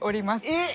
えっ！